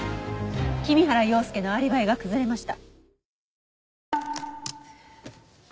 君原洋介のアリバイが崩れました。